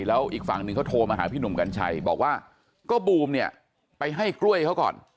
แล้วอีกฝั่งหนึ่งเขาโทรมาหาพี่หนุ่มกัญชัยบอกว่าก็บูมเนี่ยไปให้กล้วยเขาก่อน